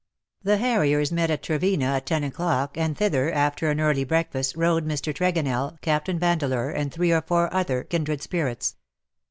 The harriers met at Trevena at ten o^clock, and thither, after an early breakfast, rode Mr. Tregonell, Captain Vandeleur, and three or four other kindred spirits.